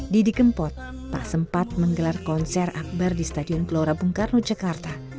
didi kempot tak sempat menggelar konser akbar di stadion gelora bung karno jakarta